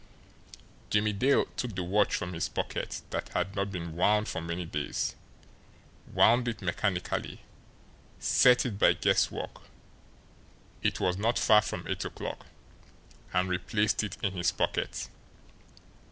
Jimmie Dale took the watch from his pocket that had not been wound for many days, wound it mechanically, set it by guesswork it was not far from eight o'clock and replaced it in his pocket.